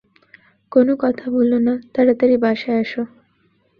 কোনো কথা বলো না, তাড়াতাড়ি বাসায় আসো।